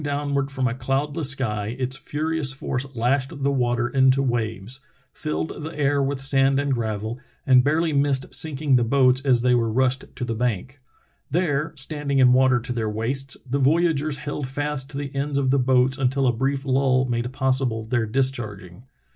The Missionary's Arctic Trail 299 downward from a cloudless sky, its furious force lashed the water into waves, tilled the air with sand and gravel, and barely missed sinking the boats as they were rushed to the bank. There, standing in water to their waists, the voyageurs held fast to the ends of the boats until a brief lull made possible their discharging.